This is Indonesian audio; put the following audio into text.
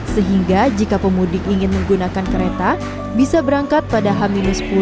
sehingga jika pemudik ingin menggunakan kereta bisa berangkat pada h sepuluh hingga h delapan